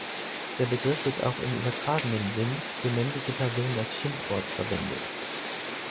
Der Begriff wird auch im übertragenen Sinn für männliche Personen als Schimpfwort verwendet.